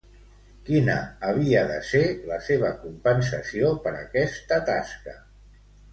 Quina havia de ser la seva compensació per aquesta tasca?